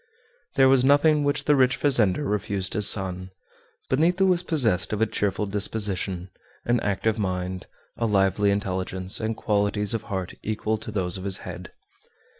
There was nothing which the rich fazender refused his son. Benito was possessed of a cheerful disposition, an active mind, a lively intelligence, and qualities of heart equal to those of his head.